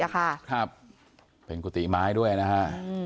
ครับเป็นกุฏิไม้ด้วยนะฮะ